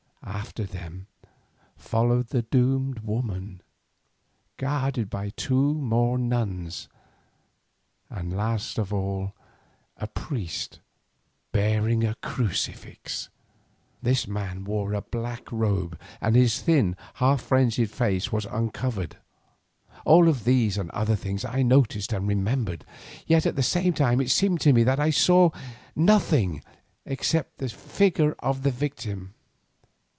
After them followed the doomed woman, guarded by two more nuns, and last of all a priest bearing a crucifix. This man wore a black robe, and his thin half frenzied face was uncovered. All these and other things I noticed and remembered, yet at the time it seemed to me that I saw nothing except the figure of the victim.